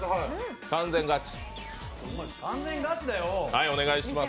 完全ガチ。